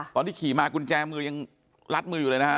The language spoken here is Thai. ขี่มากุญแจมือยังลัดมืออยู่เลยนะฮะ